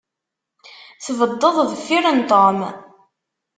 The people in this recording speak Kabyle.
Tbeddeḍ deffir n Tom.